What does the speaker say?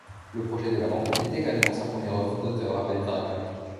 Le projet de la Banque était également sa première œuvre d’auteur à Belgrade.